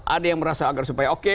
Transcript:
ada yang merasa agar supaya oke